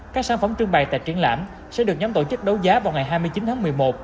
các sản phẩm trưng bày tại triển lãm sẽ được nhóm tổ chức đấu giá vào ngày hai mươi chín tháng một mươi một